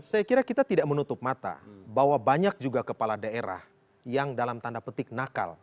saya kira kita tidak menutup mata bahwa banyak juga kepala daerah yang dalam tanda petik nakal